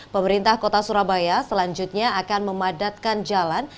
pemerintah kota surabaya selanjutnya akan memadatkan jalan